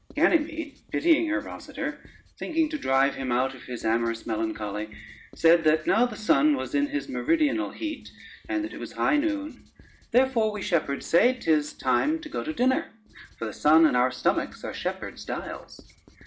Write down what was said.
Ganymede, pitying her Rosader, thinking to drive him out of this amorous melancholy, said that now the sun was in his meridional heat and that it was high noon, "therefore we shepherds say, 'tis time to go to dinner; for the sun and our stomachs are shepherds' dials.